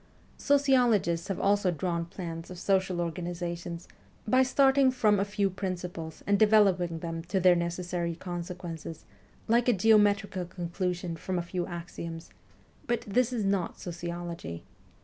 Sociologists have also drawn plans of social organizations, by starting from a few principles and developing them to their necessary consequences, like a geometrical conclusion from a few axioms ; but this is not sociology.